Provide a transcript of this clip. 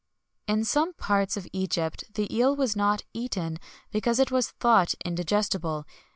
In some parts of Egypt the eel was not eaten, because it was thought indigestible.